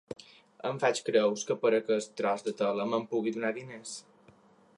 Em faig creus que per aquest tros de tela me'n puguin donar diners.